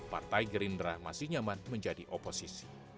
partai gerindra masih nyaman menjadi oposisi